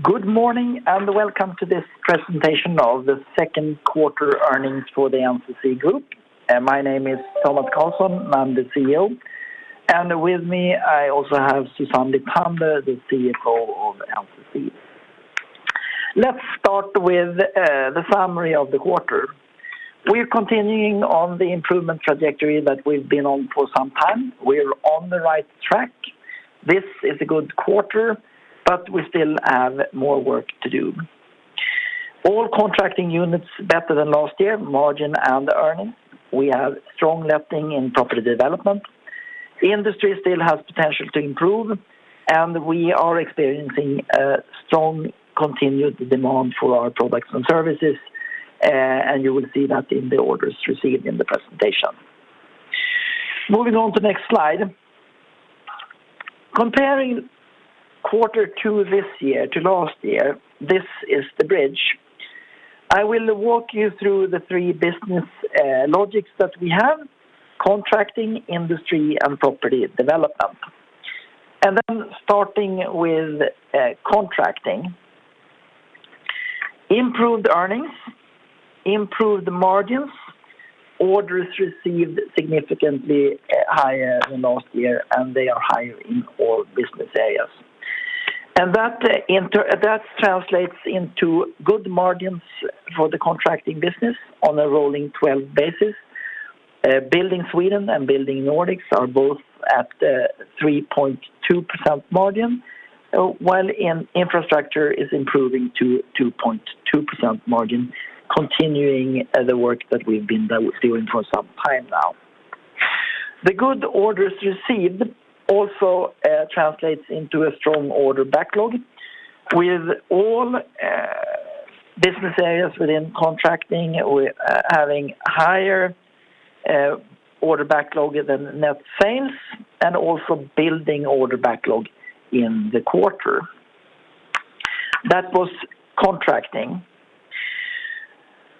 Good morning, and welcome to this presentation of the second quarter earnings for the NCC Group. My name is Tomas Carlsson, and I'm the CEO. With me, I also have Susanne Lithander, the CFO of NCC. Let's start with the summary of the quarter. We're continuing on the improvement trajectory that we've been on for some time. We're on the right track. This is a good quarter, but we still have more work to do. All contracting units better than last year, margin and earnings. We have strong letting in property development. The industry still has potential to improve, and we are experiencing a strong continued demand for our products and services, and you will see that in the orders received in the presentation. Moving on to next slide. Comparing quarter two this year to last year, this is the bridge. I will walk you through the three business logics that we have: contracting, Industry, and property development. Starting with contracting. Improved earnings, improved margins, orders received significantly higher than last year, they are higher in all business areas. That translates into good margins for the contracting business on a rolling 12 basis. Building Sweden and Building Nordics are both at 3.2% margin, while Infrastructure is improving to 2.2% margin, continuing the work that we've been doing for some time now. The good orders received also translates into a strong order backlog. With all business areas within contracting, we're having higher order backlog than net sales, also building order backlog in the quarter. That was contracting.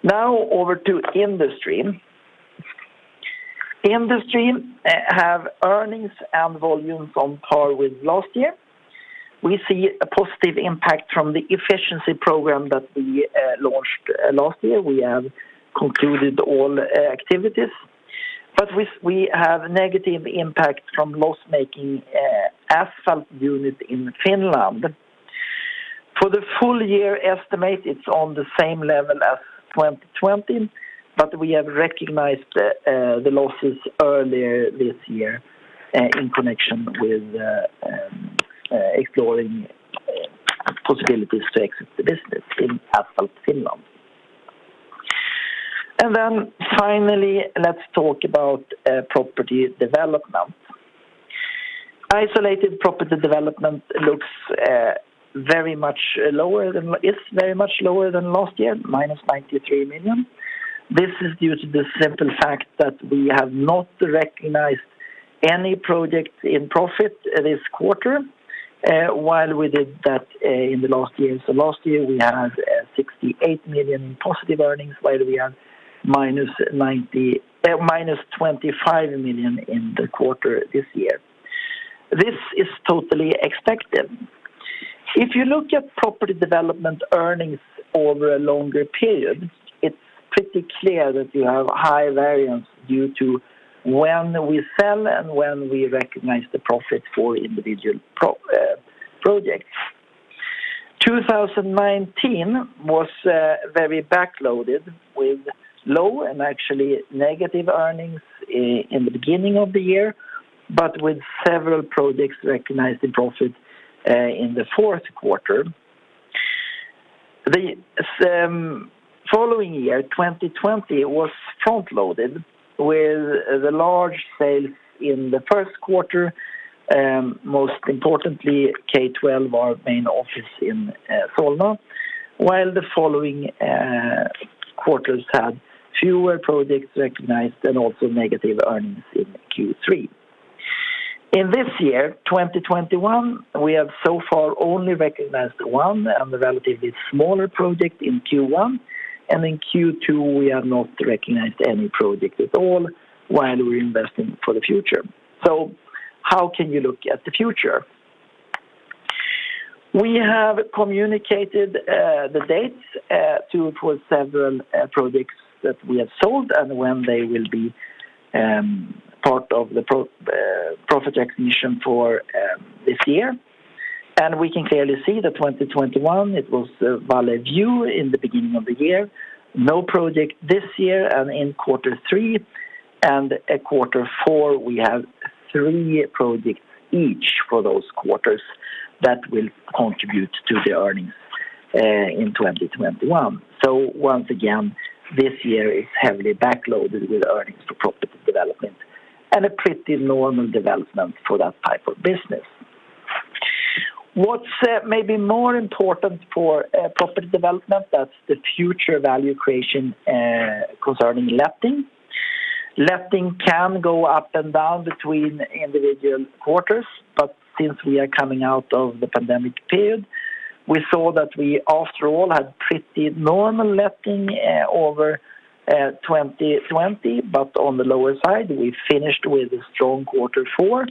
Now over to Industry. Industry have earnings and volumes on par with last year. We see a positive impact from the efficiency program that we launched last year. We have concluded all activities, we have negative impact from loss-making Asphalt Finland. For the full year estimate, it's on the same level as 2020, we have recognized the losses earlier this year in connection with exploring possibilities to exit the business in Asphalt Finland. Finally, let's talk about Property Development. Isolated Property Development is very much lower than last year, -93 million. This is due to the simple fact that we have not recognized any projects in profit this quarter, while we did that in the last year. Last year, we had 68 million in positive earnings, while we had -25 million in the quarter this year. This is totally expected. If you look at property development earnings over a longer period, it's pretty clear that you have high variance due to when we sell and when we recognize the profit for individual projects. 2019 was very back-loaded with low and actually negative earnings in the beginning of the year, but with several projects recognized in profit in the fourth quarter. The following year, 2020, was front-loaded with the large sale in the first quarter, most importantly, K11, our main office in Solna, while the following quarters had fewer projects recognized and also negative earnings in Q3. In this year, 2021, we have so far only recognized one and a relatively smaller project in Q1, and in Q2, we have not recognized any project at all while we're investing for the future. How can you look at the future? We have communicated the dates for several projects that we have sold and when they will be part of the profit recognition for this year. We can clearly see that 2021, it was Valby in the beginning of the year, no project this year, in quarter three and quarter four, we have three projects each for those quarters that will contribute to the earnings in 2021. Once again, this year is heavily back-loaded with earnings for property development and a pretty normal development for that type of business. What's maybe more important for property development, that's the future value creation concerning letting. Letting can go up and down between individual quarters, but since we are coming out of the pandemic period, we saw that we, after all, had pretty normal letting over 2020, but on the lower side. We finished with a strong quarter four.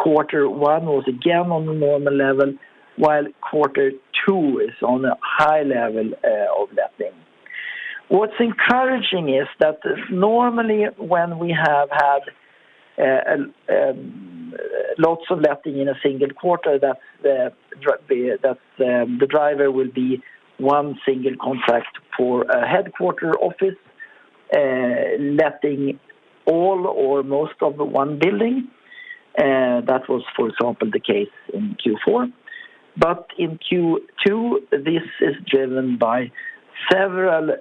Quarter one was again on the normal level, while quarter two is on a high level of letting. What's encouraging is that normally when we have had lots of letting in a single quarter, that the driver will be one single contract for a headquarter office, letting all or most of the one building. That was, for example, the case in Q4. In Q2, this is driven by several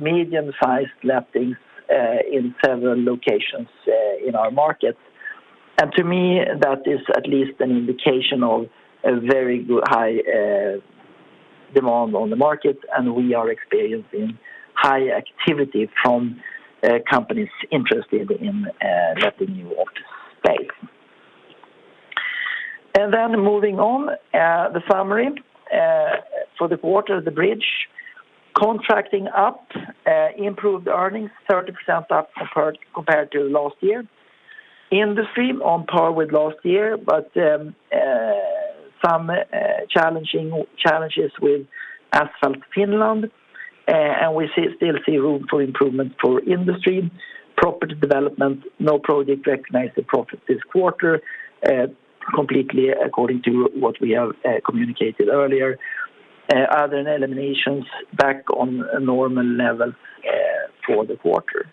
medium-sized lettings in several locations in our markets. To me, that is at least an indication of a very high demand on the market, and we are experiencing high activity from companies interested in letting new office space. Moving on, the summary for the quarter, the bridge. Contracting up, improved earnings, 30% up compared to last year. Industry on par with last year, but some challenges with Asphalt Finland. We still see room for improvement for industry. Property development, no project recognized a profit this quarter, completely according to what we have communicated earlier. Other eliminations back on a normal level for the quarter,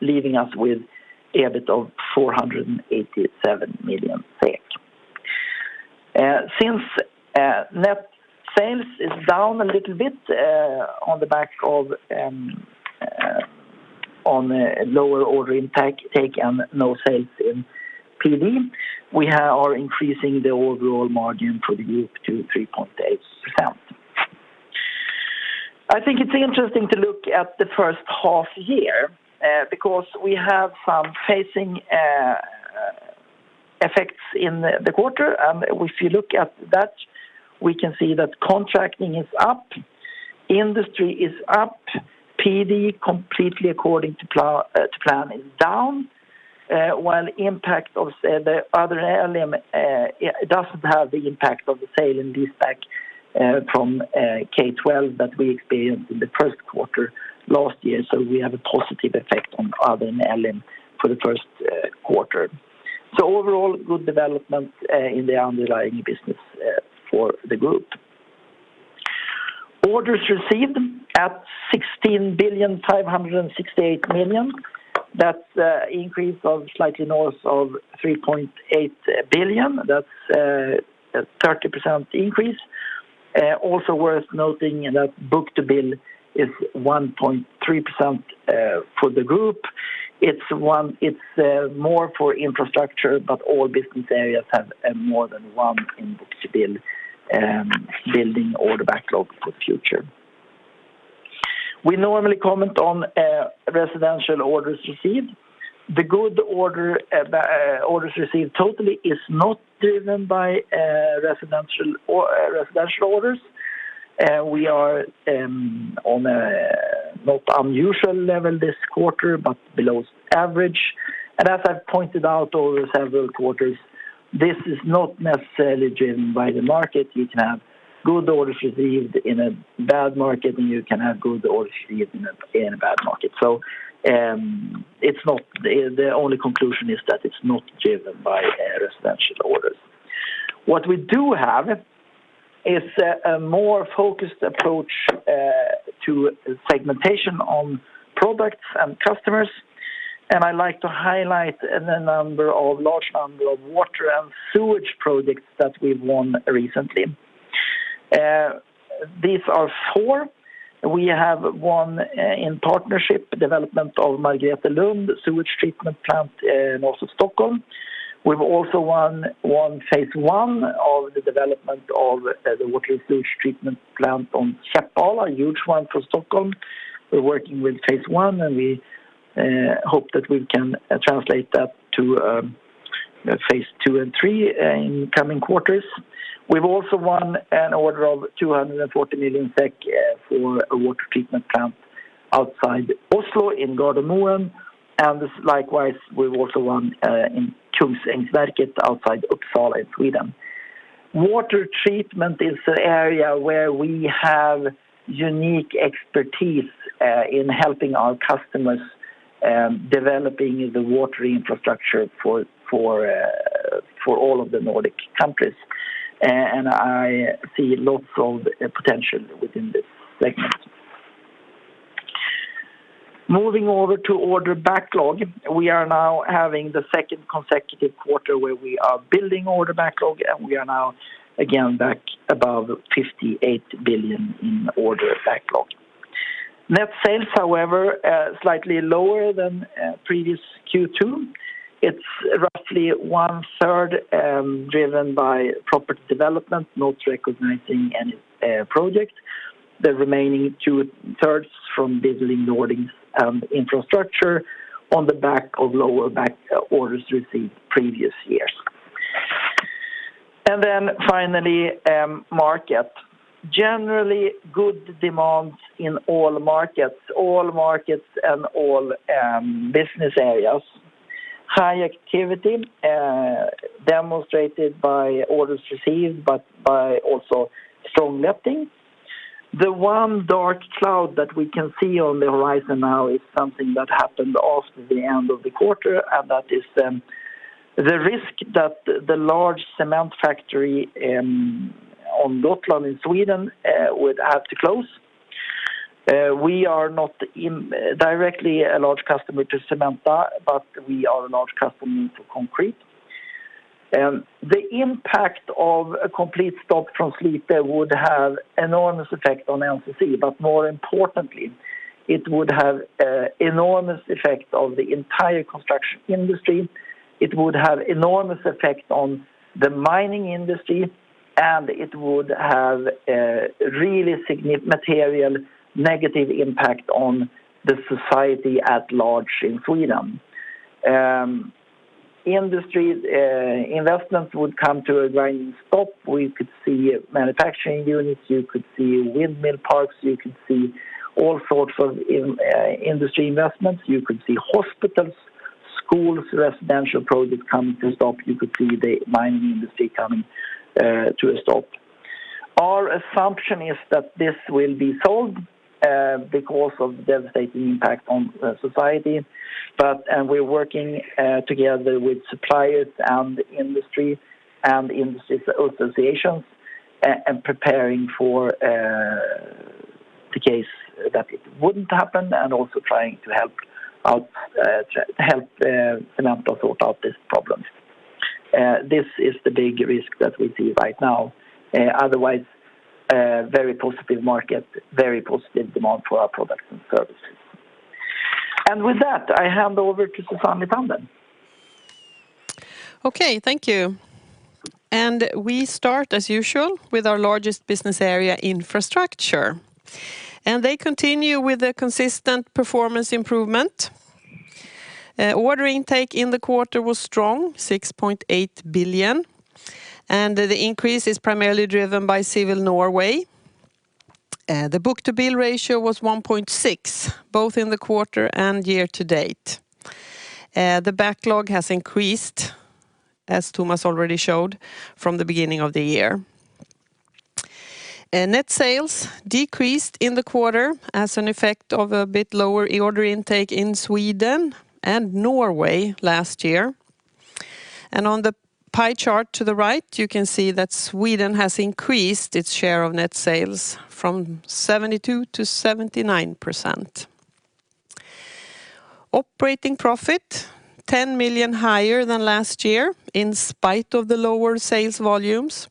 leaving us with EBITDA of 487 million SEK. Since net sales is down a little bit on the back of lower order intake and no sales in PD, we are increasing the overall margin for the group to 3.8%. I think it's interesting to look at the first half year, because we have some phasing effects in the quarter. If you look at that, we can see that contracting is up, industry is up, PD completely according to plan is down, while impact of the other element doesn't have the impact of the sale in [IFRS 16] from K11 that we experienced in the first quarter last year. We have a positive effect on other element for the first quarter. Overall, good development in the underlying business for the group. Orders received at 16,568 million. That's a increase of slightly north of 3.8 billion. That's a 30% increase. Also worth noting that book-to-bill is 1.3% for the group. It's more for infrastructure, but all business areas have more than one in book-to-bill building order backlog for future. We normally comment on residential orders received. The good orders received totally is not driven by residential orders. We are on a not unusual level this quarter, but below average. As I've pointed out over several quarters, this is not necessarily driven by the market. You can have good orders received in a bad market, and you can have good orders received in a bad market. The only conclusion is that it's not driven by residential orders. What we do have is a more focused approach to segmentation on products and customers. I like to highlight the large number of water and sewage projects that we've won recently. These are four. We have won in partnership development of Margretelund Sewage Treatment Plant north of Stockholm. We've also won phase I of the development of the water and sewage treatment plant on Käppala, a huge one for Stockholm. We're working with phase I, we hope that we can translate that to phase II and phase III in coming quarters. We've also won an order of 240 million SEK for a water treatment plant outside Oslo in Gardermoen. Likewise, we've also won in Kungsängsverket outside Uppsala in Sweden. Water treatment is an area where we have unique expertise in helping our customers developing the water infrastructure for all of the Nordic countries. I see lots of potential within this segment. Moving over to order backlog. We are now having the second consecutive quarter where we are building order backlog, and we are now again back above 58 billion in order backlog. Net sales, however, slightly lower than previous Q2. It's roughly 1/3, driven by property development, not recognizing any project. The remaining 2/3 from Building Nordics and Infrastructure on the back of lower back orders received previous years. Finally, market. Generally, good demand in all markets and all business areas. High activity demonstrated by orders received, but by also strong letting. The one dark cloud that we can see on the horizon now is something that happened after the end of the quarter, and that is the risk that the large cement factory in Gotland in Sweden would have to close. We are not directly a large customer to Cementa, but we are a large customer for concrete. The impact of a complete stop from Slite would have enormous effect on NCC, but more importantly, it would have enormous effect on the entire construction industry. It would have enormous effect on the mining industry, and it would have a really material negative impact on the society at large in Sweden. Industry investments would come to a grinding stop, we could see manufacturing units, you could see windmill parks, you could see all sorts of industry investments. You could see hospitals, schools, residential projects coming to a stop. You could see the mining industry coming to a stop. Our assumption is that this will be sold because of the devastating impact on society. We're working together with suppliers and industry associations, and preparing for the case that it wouldn't happen, and also trying to help Cementa sort out these problems. This is the big risk that we see right now. Otherwise, very positive market, very positive demand for our products and services. With that, I hand over to Susanne Lithander. Okay. Thank you. We start, as usual, with our largest business area, infrastructure. They continue with a consistent performance improvement. Order intake in the quarter was strong, 6.8 billion, and the increase is primarily driven by Civil Norway. The book-to-bill ratio was 1.6, both in the quarter and year-to-date. The backlog has increased, as Tomas already showed, from the beginning of the year. Net sales decreased in the quarter as an effect of a bit lower order intake in Sweden and Norway last year. On the pie chart to the right, you can see that Sweden has increased its share of net sales from 72%-79%. Operating profit, 10 million higher than last year in spite of the lower sales volumes.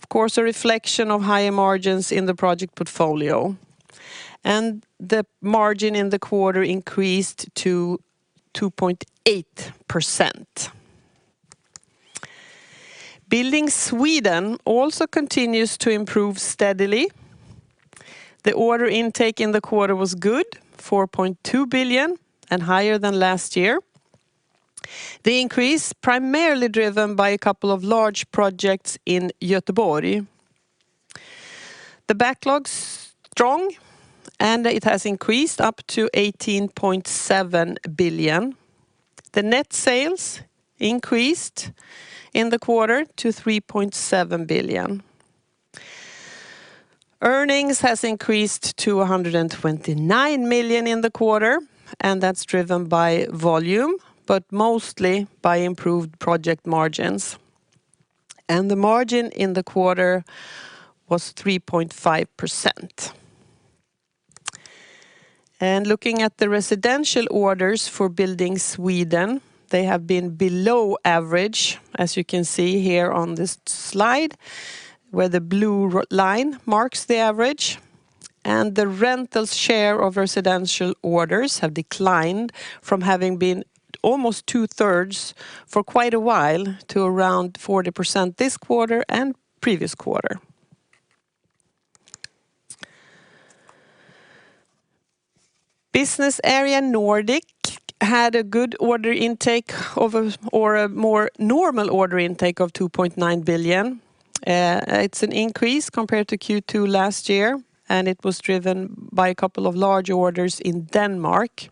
Of course, a reflection of higher margins in the project portfolio. The margin in the quarter increased to 2.8%. Building Sweden also continues to improve steadily. The order intake in the quarter was good, 4.2 billion, and higher than last year. The increase primarily driven by a couple of large projects in Göteborg. The backlog's strong, it has increased up to 18.7 billion. The net sales increased in the quarter to 3.7 billion. Earnings has increased to 129 million in the quarter, and that's driven by volume, but mostly by improved project margins. The margin in the quarter was 3.5%. Looking at the residential orders for Building Sweden, they have been below average, as you can see here on this slide, where the blue line marks the average. The rental share of residential orders have declined from having been almost two-thirds for quite a while to around 40% this quarter and previous quarter. Business area Nordic had a good order intake, or a more normal order intake of 2.9 billion. It's an increase compared to Q2 last year. It was driven by a couple of large orders in Denmark.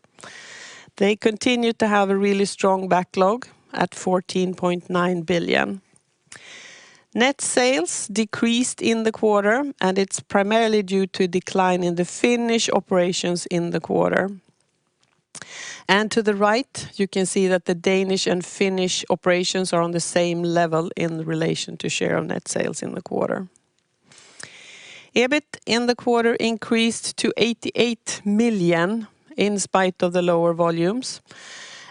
They continued to have a really strong backlog at 14.9 billion. Net sales decreased in the quarter. It's primarily due to decline in the Finnish operations in the quarter. To the right, you can see that the Danish and Finnish operations are on the same level in relation to share of net sales in the quarter. EBITDA in the quarter increased to 88 million in spite of the lower volumes.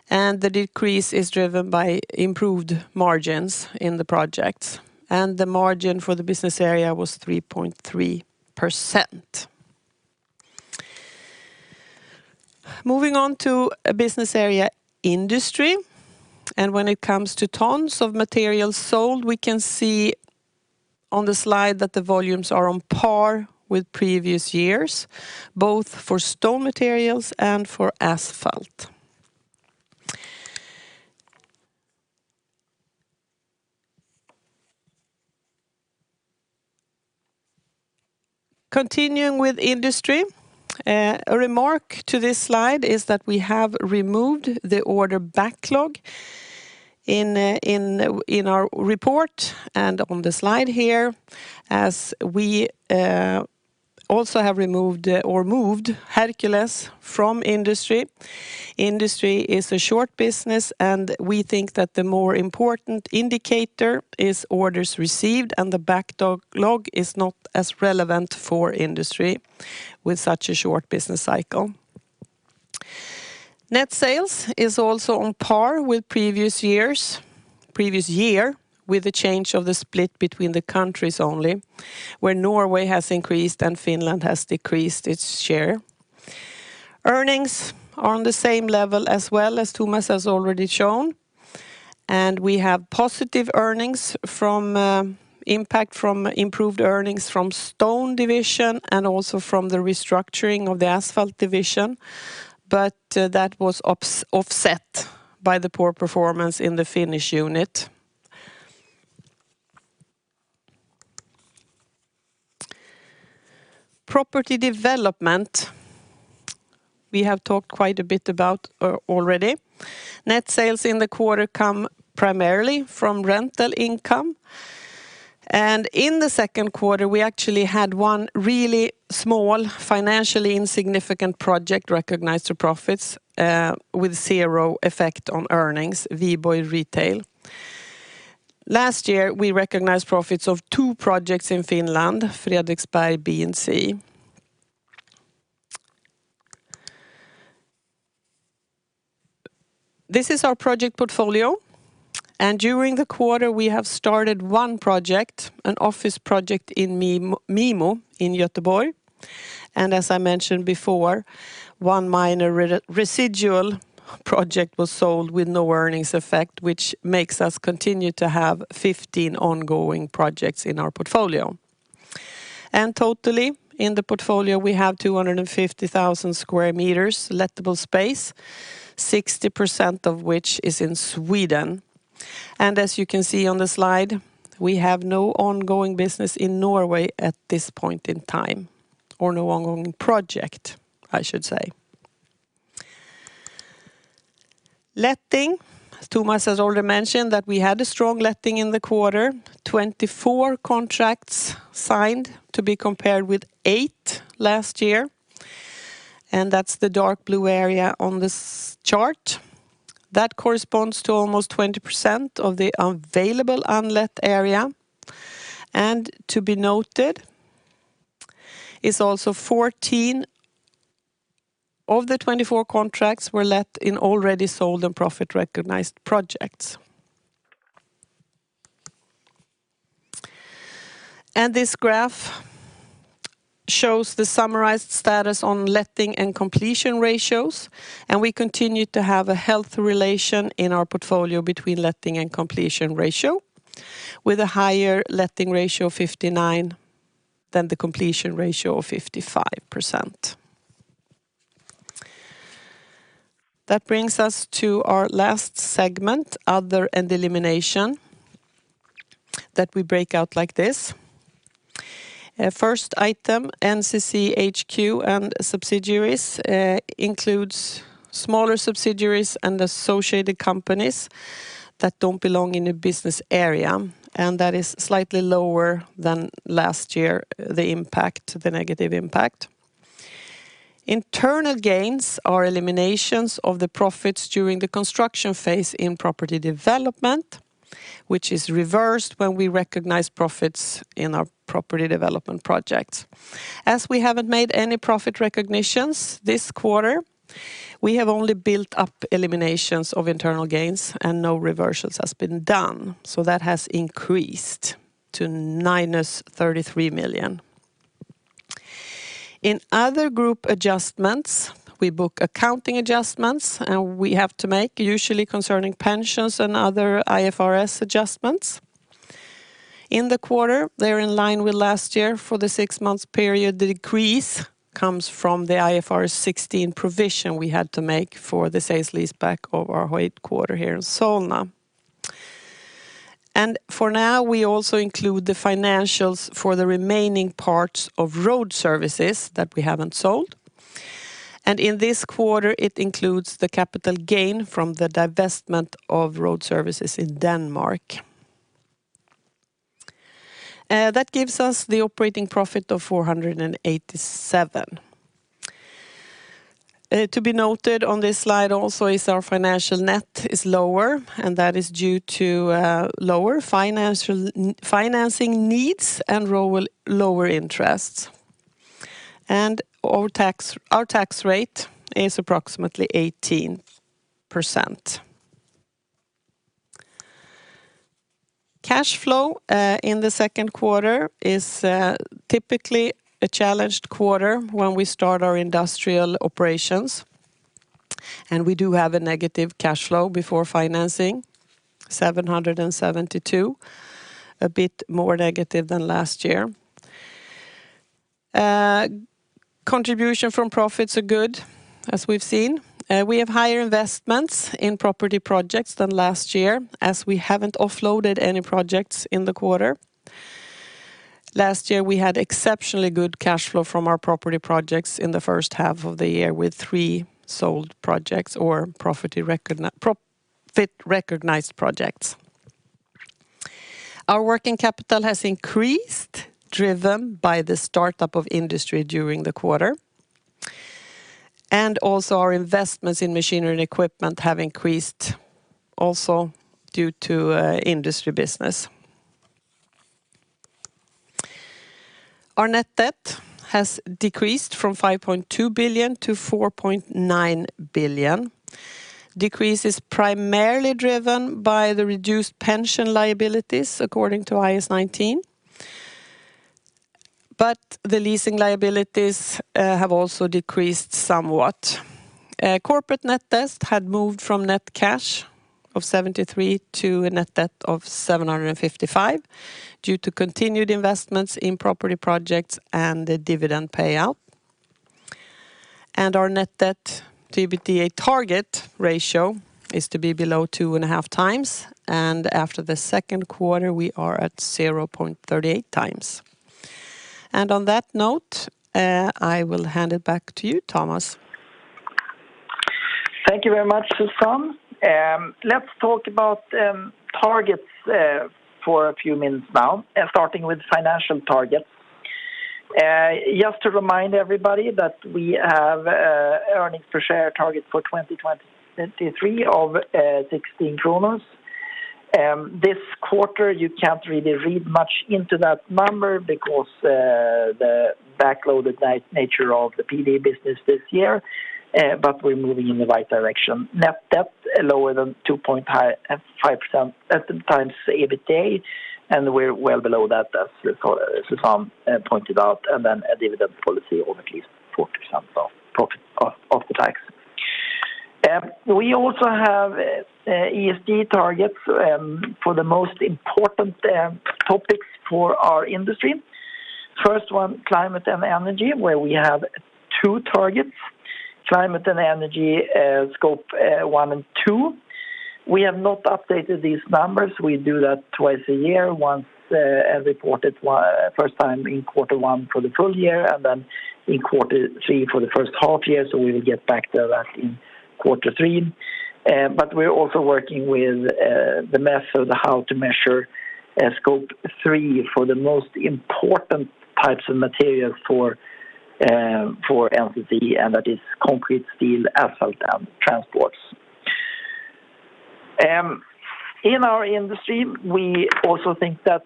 The decrease is driven by improved margins in the projects. The margin for the business area was 3.3%. Moving on to business area industry. When it comes to tons of materials sold, we can see on the slide that the volumes are on par with previous years, both for stone materials and for asphalt. Continuing with industry. A remark to this slide is that we have removed the order backlog in our report and on the slide here, as we also have removed or moved Hercules from industry. Industry is a short business, and we think that the more important indicator is orders received and the backlog is not as relevant for industry with such a short business cycle. Net sales is also on par with previous year, with a change of the split between the countries only, where Norway has increased, and Finland has decreased its share. Earnings are on the same level as well, as Tomas has already shown. We have positive earnings from impact from improved earnings from stone division and also from the restructuring of the asphalt division. That was offset by the poor performance in the Finnish unit. Property development, we have talked quite a bit about already. Net sales in the quarter come primarily from rental income. In the second quarter, we actually had one really small financially insignificant project recognized to profits, with 0 effect on earnings, Viborg Retail. Last year, we recognized profits of two projects in Finland, Fredriksberg B and C. This is our project portfolio. During the quarter, we have started one project, an office project in MIMO in Gothenburg. As I mentioned before, one minor residual project was sold with no earnings effect, which makes us continue to have 15 ongoing projects in our portfolio. Totally, in the portfolio, we have 250,000 sq m lettable space, 60% of which is in Sweden. As you can see on the slide, we have no ongoing business in Norway at this point in time, or no ongoing project, I should say. Letting. Tomas has already mentioned that we had a strong letting in the quarter. 24 contracts signed to be compared with eight last year. That's the dark blue area on this chart. That corresponds to almost 20% of the available unlet area. To be noted is also 14 of the 24 contracts were let in already sold and profit-recognized projects. This graph shows the summarized status on letting and completion ratios, and we continue to have a healthy relation in our portfolio between letting and completion ratio, with a higher letting ratio, 59%, than the completion ratio of 55%. That brings us to our last segment, other and elimination, that we break out like this. First item, NCC HQ and subsidiaries, includes smaller subsidiaries and associated companies that don't belong in a business area, and that is slightly lower than last year, the negative impact. Internal gains are eliminations of the profits during the construction phase in property development, which is reversed when we recognize profits in our property development projects. As we haven't made any profit recognitions this quarter, we have only built up eliminations of internal gains and no reversals has been done. That has increased to -33 million. In other group adjustments, we book accounting adjustments, and we have to make usually concerning pensions and other IFRS adjustments. In the quarter, they're in line with last year. For the six-month period, the decrease comes from the IFRS 16 provision we had to make for the sales leaseback of our headquarter here in Solna. For now, we also include the financials for the remaining parts of Road Services that we haven't sold. In this quarter, it includes the capital gain from the divestment of Road Services in Denmark. That gives us the operating profit of 487. To be noted on this slide also is our financial net is lower, and that is due to lower financing needs and lower interests. Our tax rate is approximately 18%. Cash flow in the second quarter is typically a challenged quarter when we start our industrial operations. We do have a negative cash flow before financing, 772, a bit more negative than last year. Contribution from profits are good, as we've seen. We have higher investments in property projects than last year, as we haven't offloaded any projects in the quarter. Last year, we had exceptionally good cash flow from our property projects in the first half of the year with three sold projects or profit-recognized projects. Our working capital has increased, driven by the startup of industry during the quarter. Our investments in machinery and equipment have increased also due to industry business. Our net debt has decreased from 5.2 billion to 4.9 billion. Decrease is primarily driven by the reduced pension liabilities according to IAS 19. The leasing liabilities have also decreased somewhat. Corporate net debt had moved from net cash of 73 to a net debt of 755 due to continued investments in property projects and the dividend payout. Our net debt to EBITDA target ratio is to be below 2.5x, and after the second quarter, we are at 0.38x. On that note, I will hand it back to you, Tomas. Thank you very much, Susanne. Let's talk about targets for a few minutes now, starting with financial targets. Just to remind everybody that we have earnings per share target for 2023 of 16. This quarter, you can't really read much into that number because the back-loaded nature of the PD business this year, but we're moving in the right direction. Net debt lower than 2.5x EBITDA, and we're well below that, as Susanne pointed out, and then a dividend policy of at least 40% of the tax. We also have ESG targets for the most important topics for our industry. First one, climate and energy, where we have two targets, climate and energy Scope one and two. We have not updated these numbers. We do that twice a year. Reported first time in quarter one for the full year and then in quarter three for the first half year, we will get back to that in quarter three. We're also working with the method how to measure Scope three for the most important types of materials for NCC, and that is concrete, steel, asphalt, and transports. In our industry, we also think that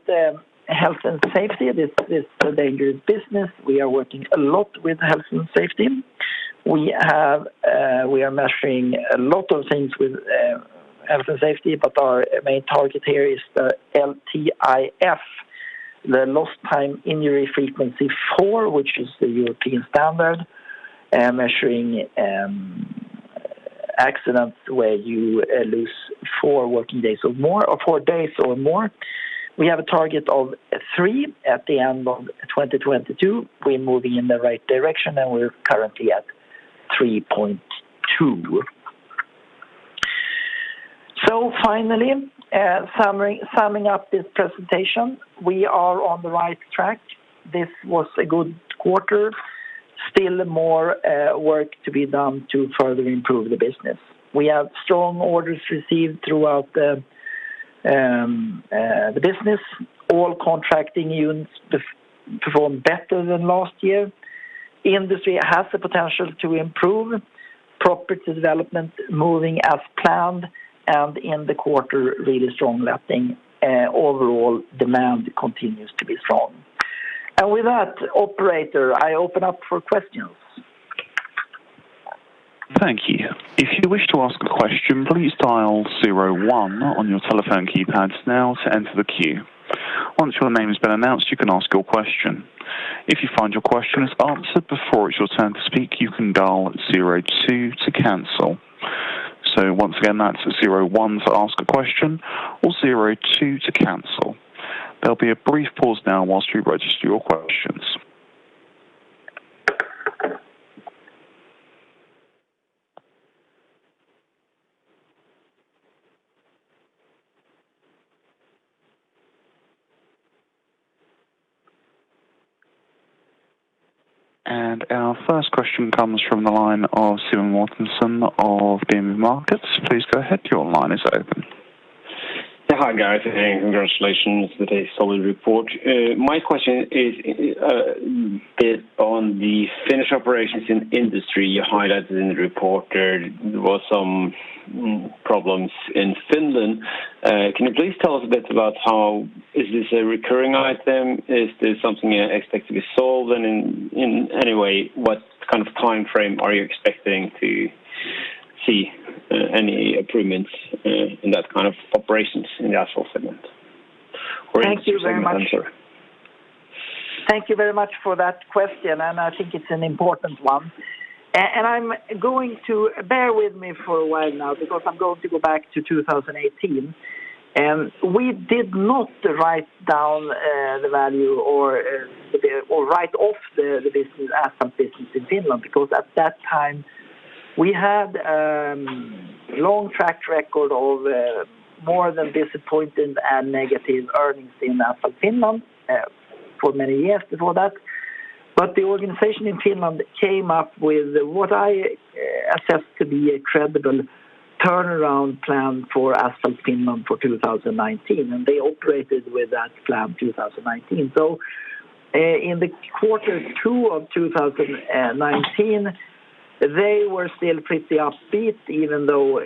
health and safety, this is a dangerous business. We are working a lot with health and safety. We are measuring a lot of things with health and safety, our main target here is the LTIF, the Lost Time Injury Frequency for which is the European standard, measuring accidents where you lose 4 working days or more, or four days or more. We have a target of three at the end of 2022. We're moving in the right direction. We're currently at 3.2. Finally, summing up this presentation, we are on the right track. This was a good quarter. Still more work to be done to further improve the business. We have strong orders received throughout the business. All contracting units performed better than last year. Industry has the potential to improve. Property Development moving as planned. In the quarter, really strong letting. Overall demand continues to be strong. With that, operator, I open up for questions. Thank you. If you wish to ask a question, please dial 01 on your telephone keypads now to enter the queue. Once your name has been announced, you can ask your question. If you find your question is answered before it's your turn to speak, you can dial 02 cancel. So once again, that's 01 to ask a question or 02 to cancel. There will be a brief pause now whilst we register your questions. And our first question comes from the line of Simon Waterson of BM Markets. Please go ahead. Your line is open. Yeah. Hi, guys, and congratulations with a solid report. My question is on the Finnish operations in Industry. You highlighted in the report there was some problems in Finland. Is this a recurring item? Is this something you expect to be solved? In any way, what kind of timeframe are you expecting to see any improvements in that kind of operations in the actual segment? Thank you very much. Thank you very much for that question, and I think it's an important one. Bear with me for a while now, because I'm going to go back to 2018. We did not write down the value or write off the asphalt business in Finland, because at that time we had a long track record of more than disappointing and negative earnings in Asphalt Finland for many years before that. The organization in Finland came up with what I assessed to be a credible turnaround plan for Asphalt Finland for 2019, and they operated with that plan 2019. In the quarter two 2019, they were still pretty upbeat, even though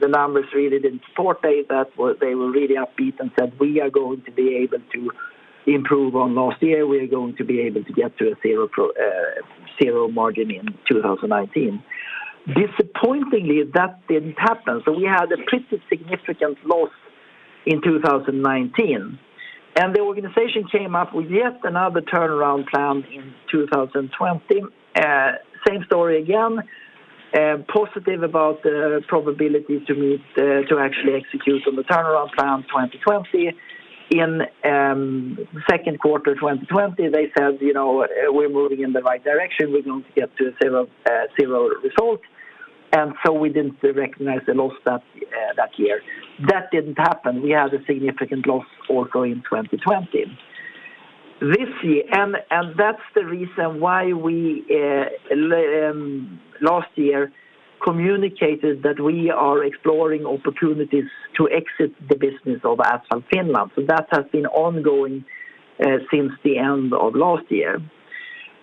the numbers really didn't support it, that they were really upbeat and said, "We are going to be able to improve on last year. We are going to be able to get to a 0 margin in 2019." Disappointingly, that didn't happen. We had a pretty significant loss in 2019, and the organization came up with yet another turnaround plan in 2020. Same story again, positive about the probability to actually execute on the turnaround plan 2020. In second quarter 2020, they said, "We're moving in the right direction. We're going to get to a 0 result." We didn't recognize the loss that year. That didn't happen. We had a significant loss also in 2020. That's the reason why we, last year, communicated that we are exploring opportunities to exit the business of Asphalt Finland. That has been ongoing since the end of last year.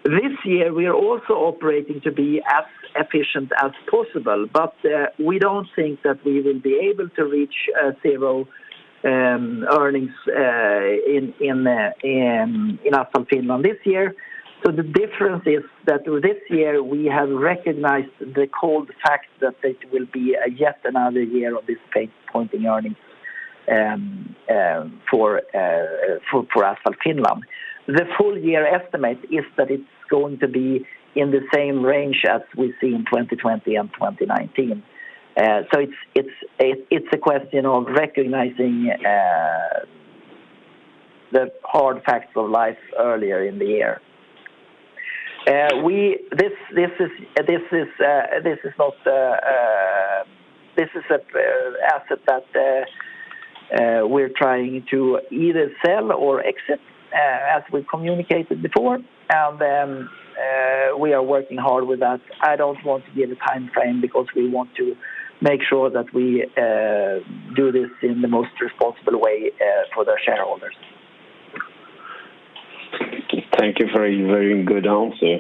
This year, we are also operating to be as efficient as possible, but we don't think that we will be able to reach zero earnings in Asphalt Finland this year. The difference is that this year we have recognized the cold fact that it will be yet another year of disappointing earnings for Asphalt Finland. The full year estimate is that it's going to be in the same range as we see in 2020 and 2019. It's a question of recognizing the hard facts of life earlier in the year. This is an asset that we're trying to either sell or exit, as we communicated before. We are working hard with that. I don't want to give a timeframe because we want to make sure that we do this in the most responsible way for the shareholders. Thank you for a very good answer.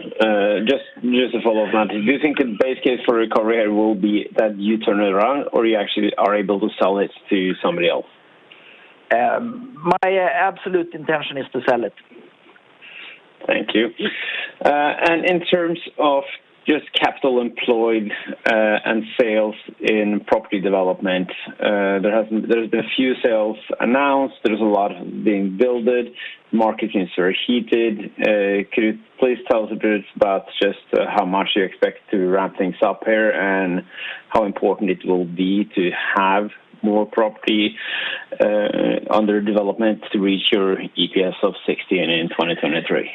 Just to follow up on that, do you think the base case for recovery will be that you turn it around or you actually are able to sell it to somebody else? My absolute intention is to sell it. Thank you. In terms of just capital employed and sales in property development, there has been a few sales announced, there is a lot being built, markets are heated. Could you please tell us a bit about just how much you expect to ramp things up here, and how important it will be to have more property under development to reach your EPS of 16 in 2023?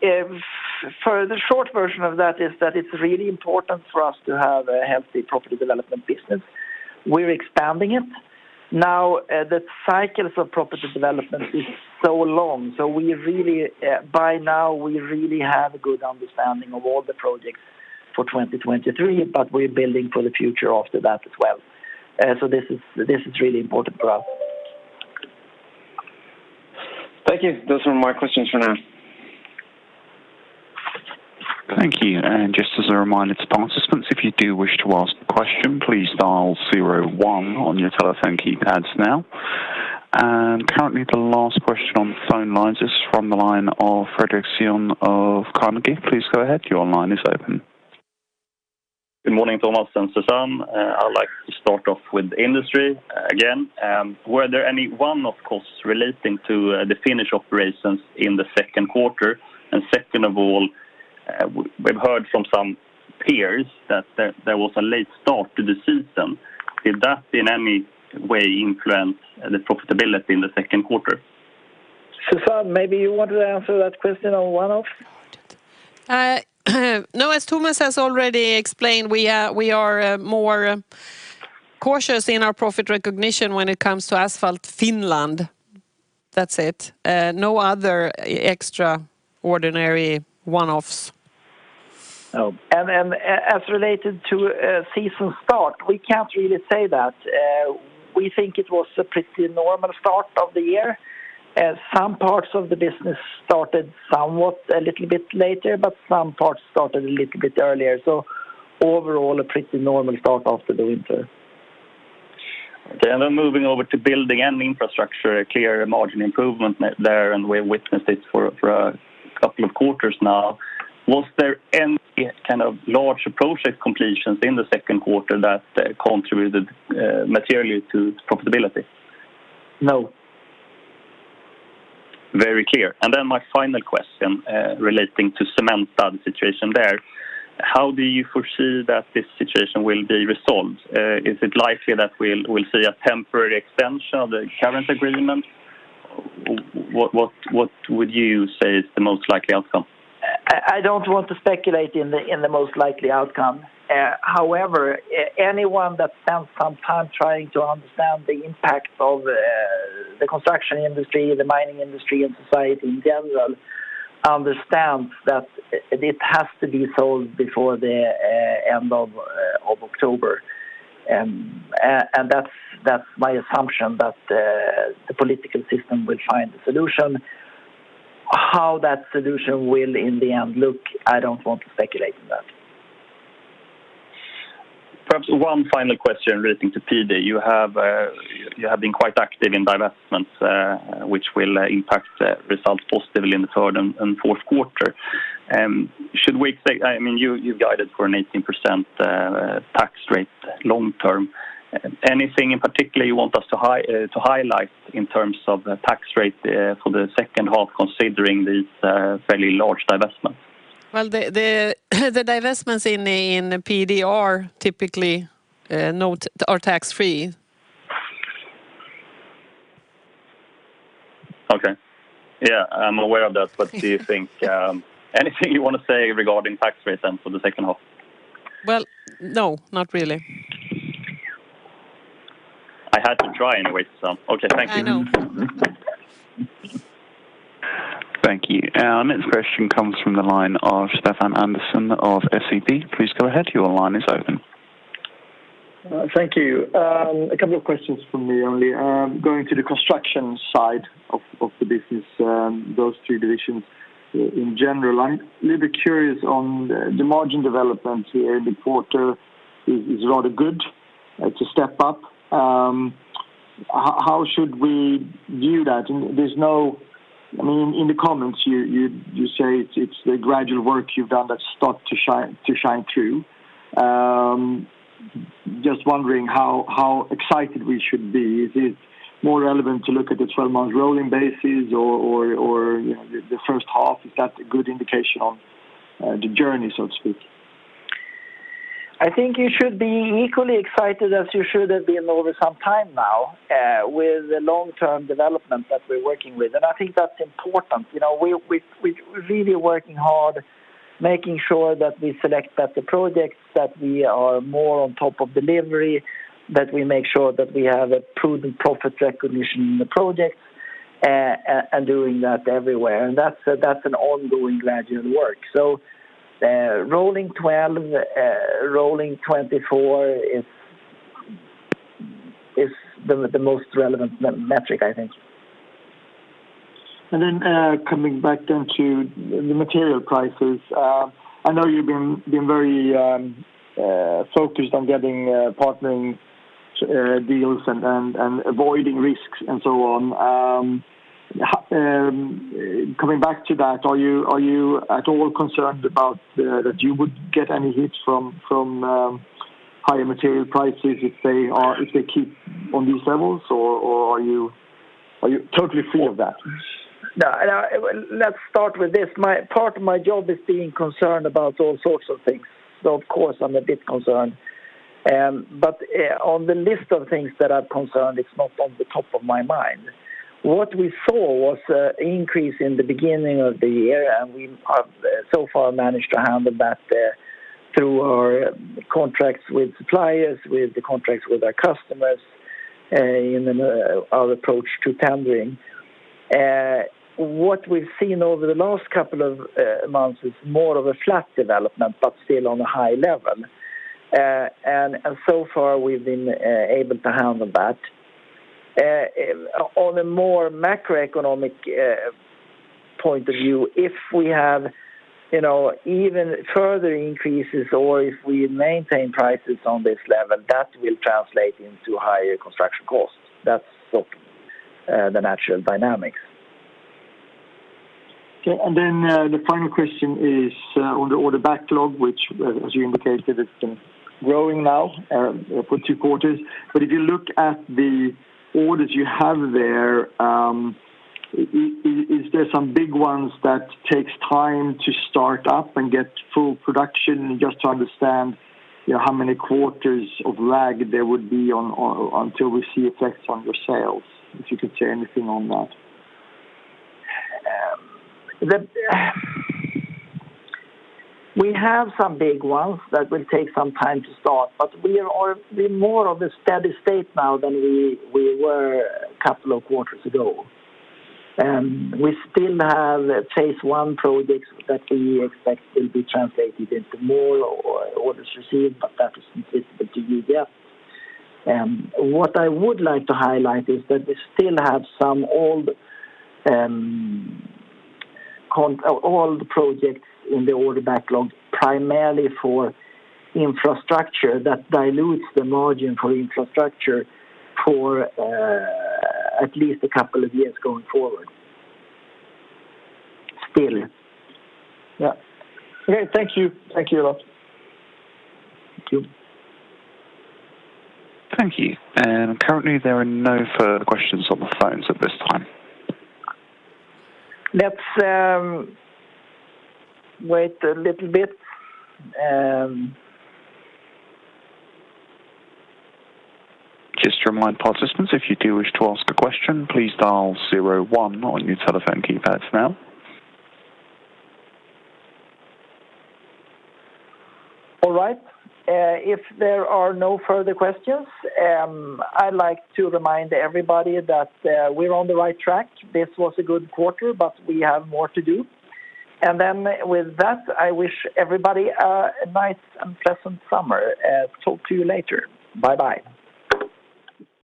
The short version of that is that it's really important for us to have a healthy property development business. We're expanding it. The cycles of property development is so long. By now we really have a good understanding of all the projects for 2023, but we're building for the future after that as well. This is really important for us. Thank you. Those were my questions for now. Thank you. Just as a reminder to participants, if you do wish to ask a question, please dial 01 on your telephone keypads now. Currently the last question on the phone lines is from the line of Fredric Cyon of Carnegie. Please go ahead. Your line is open. Good morning, Tomas and Susanne. I'd like to start off with industry again. Were there any one-off costs relating to the Finnish operations in the second quarter? Second of all, we've heard from some peers that there was a late start to the season. Did that in any way influence the profitability in the second quarter? Susanne, maybe you want to answer that question on one-off? No, as Tomas has already explained, we are more cautious in our profit recognition when it comes to Asphalt Finland. That's it. No other extraordinary one-offs. Oh. As related to season start, we can't really say that. We think it was a pretty normal start of the year. Some parts of the business started somewhat a little bit later, but some parts started a little bit earlier. Overall, a pretty normal start after the winter. Okay. Moving over to building and infrastructure, a clear margin improvement there, and we have witnessed it for two quarters now. Was there any kind of large project completions in the second quarter that contributed materially to profitability? No. Very clear. My final question relating to Cementa, the situation there. How do you foresee that this situation will be resolved? Is it likely that we'll see a temporary extension of the current agreement? What would you say is the most likely outcome? I don't want to speculate in the most likely outcome. Anyone that spends some time trying to understand the impact of the construction industry, the mining industry, and society in general understands that it has to be solved before the end of October. That's my assumption that the political system will find a solution. How that solution will in the end look, I don't want to speculate on that. Perhaps one final question relating to PD. You have been quite active in divestments, which will impact the results positively in the third and fourth quarter. You've guided for an 18% tax rate long term. Anything in particular you want us to highlight in terms of the tax rate for the second half considering these fairly large divestments? Well, the divestments in PD are typically tax-free. Okay. Yeah, I am aware of that. Do you think anything you want to say regarding tax rates then for the second half? Well, no, not really. I had to try anyway some. Okay. Thank you. I know. Thank you. Our next question comes from the line of Stefan Andersson of SEB. Please go ahead. Your line is open. Thank you. A couple of questions from me only. Going to the construction side of the business, those three divisions in general, I'm a little bit curious on the margin development here in the quarter is rather good. It's a step up. How should we view that? In the comments you say it's the gradual work you've done that start to shine through. Just wondering how excited we should be. Is it more relevant to look at the 12 months rolling basis or the first half? Is that a good indication on the journey, so to speak? I think you should be equally excited as you should have been over some time now with the long-term development that we're working with, and I think that's important. We're really working hard making sure that we select better projects, that we are more on top of delivery, that we make sure that we have a prudent profit recognition in the projects, and doing that everywhere, and that's an ongoing gradual work. Rolling 12, rolling 24 is the most relevant metric, I think. Coming back then to the material prices. I know you've been very focused on getting partnering deals and avoiding risks and so on. Coming back to that, are you at all concerned that you would get any hits from higher material prices if they keep on these levels, or are you totally free of that? Let's start with this. Part of my job is being concerned about all sorts of things, so of course I'm a bit concerned. On the list of things that I'm concerned, it's not on the top of my mind. What we saw was an increase in the beginning of the year, we have so far managed to handle that through our contracts with suppliers, with the contracts with our customers, and then our approach to tendering. What we've seen over the last couple of months is more of a flat development, but still on a high level. So far, we've been able to handle that. On a more macroeconomic point of view, if we have even further increases or if we maintain prices on this level, that will translate into higher construction costs. That's the natural dynamics. Okay. The final question is on the order backlog, which as you indicated, it's been growing now for two quarters. If you look at the orders you have there, is there some big ones that takes time to start up and get full production? Just to understand how many quarters of lag there would be until we see effects on your sales, if you could share anything on that. We have some big ones that will take some time to start, but we are in more of a steady state now than we were [two] quarters ago. We still have phase I projects that we expect will be translated into more orders received, but that is invisible to you there. What I would like to highlight is that we still have some old projects in the order backlog, primarily for infrastructure that dilutes the margin for infrastructure for at least a couple of years going forward, still. Yeah. Okay. Thank you. Thank you a lot. Thank you. Thank you. Currently there are no further questions on the phones at this time. Let's wait a little bit. Just to remind participants, if you do wish to ask a question, please dial 01 on your telephone keypads now. All right. If there are no further questions, I'd like to remind everybody that we're on the right track. This was a good quarter, but we have more to do. With that, I wish everybody a nice and pleasant summer. Talk to you later. Bye-bye.